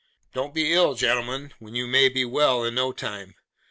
Don't be ill, gentlemen, when you may be well in no time.